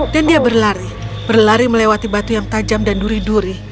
dia berlari berlari melewati batu yang tajam dan duri duri